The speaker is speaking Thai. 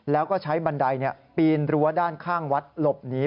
แล้วก็ใช้บันไดปีนรั้วด้านข้างวัดหลบหนี